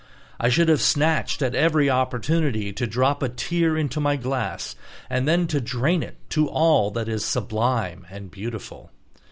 I should have snatched at every opportunity to drop a tear into my glass and then to drain it to all that is "sublime and beautiful."